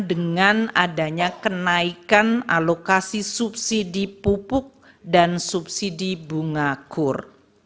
dengan adanya kenaikan alokasi subsidi pupuk dan subsidi bunga kur